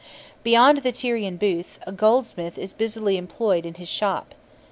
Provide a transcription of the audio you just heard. Beyond the Tyrian booth, a goldsmith is busily employed in his shop.